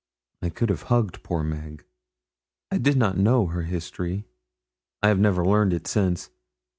I could have hugged poor Meg. I did not know her history. I have never learned it since.